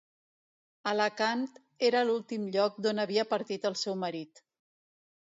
Alacant era l’últim lloc d’on havia partit el seu marit.